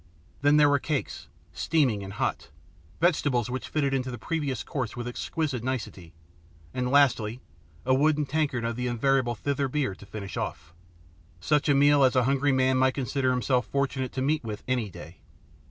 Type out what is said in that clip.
Then there were cakes, steaming and hot, vegetables which fitted into the previous course with exquisite nicety, and, lastly, a wooden tankard of the invariable Thither beer to finish off. Such a meal as a hungry man might consider himself fortunate to meet with any day.